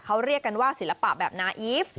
เขาเรียกกันว่าศิลปะแบบนาอีฟ